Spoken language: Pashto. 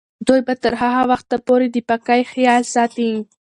دوی به تر هغه وخته پورې د پاکۍ خیال ساتي.